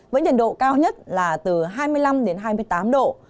với nhiệt độ cao nhất là từ hai mươi năm đến hai mươi tám độ